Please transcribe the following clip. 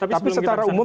tapi secara umum